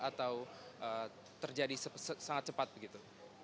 atau terjadi sangat cepat begitu